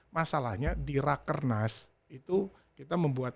masalahnya di rakernas itu kita membuat